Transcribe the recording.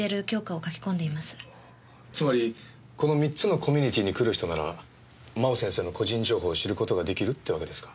つまりこの３つのコミュニティーに来る人なら真央先生の個人情報を知る事が出来るってわけですか。